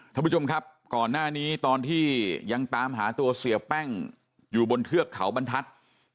ท่านผู้ชมครับก่อนหน้านี้ตอนที่ยังตามหาตัวเสียแป้งอยู่บนเทือกเขาบรรทัศน์